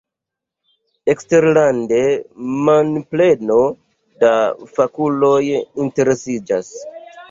Eksterlande manpleno da fakuloj interesiĝas.